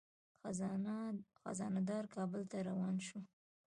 خزانه دار کابل ته روان شو.